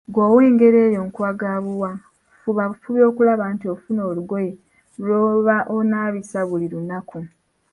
Ggwe ow'engeri eyo nkuwa ga buwa, fuba bufubi okulaba nti ofuna olugoye lw'oba onaabisa buli lunaku.